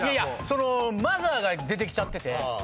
そのマザーが出てきちゃってて。